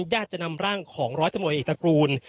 ญาติจะนำร่างของร้อยตำรวจเอกตระกูล